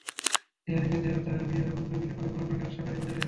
তেহারী খেতে রাতবিরাতে বন্ধুরা মিলে প্রায়ই পুরান ঢাকার শাঁখারী বাজারে ঢুঁ মারেন।